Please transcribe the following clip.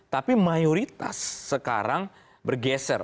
tapi mayoritas sekarang bergeser